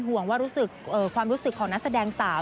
ห่วงว่ารู้สึกความรู้สึกของนักแสดงสาว